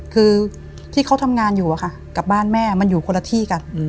คือที่เขาทำงานอยู่กับบ้านแม่มันอยู่คนละที่กัน